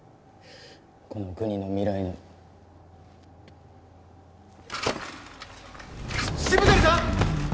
この国の未来の渋谷さん！？